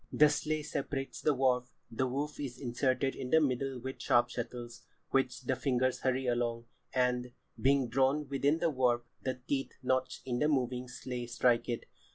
"The sley separates the warp, the woof is inserted in the middle with sharp shuttles, which the fingers hurry along, and, being drawn within the warp, the teeth notched in the moving sley strike it.